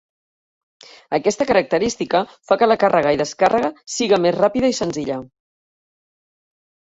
Aquesta característica fa que la càrrega i descàrrega siga més ràpida i senzilla.